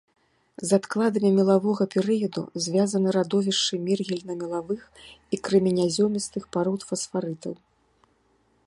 З адкладамі мелавога перыяду звязаны радовішчы мергельна-мелавых і крэменязёмістых парод, фасфарытаў.